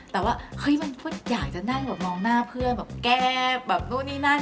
แต่ว่าเฮ้ยมันก็อยากจะนั่งแบบมองหน้าเพื่อนแบบแก้แบบนู่นนี่นั่น